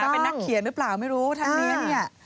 เป็นนักเขียนหรือเปล่าไม่รู้ท่านนี้เนี่ย